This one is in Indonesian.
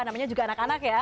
namanya juga anak anak ya